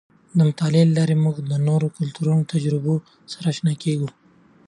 د مطالعې له لارې موږ د نورو کلتورونو او تجربو سره اشنا کېږو.